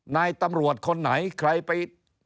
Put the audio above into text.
๔นายตำรวจคนนั้นไม่มีความผิดถึงคนนั้น